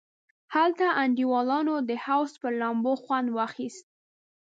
هلته انډیوالانو د حوض پر لامبو خوند واخیست.